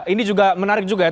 ini juga menarik juga ya